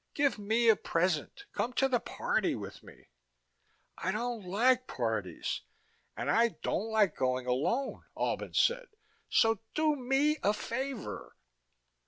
Give me a present. Come to the party with me." "I don't like parties." "And I don't like going alone," Albin said. "So do me a favor."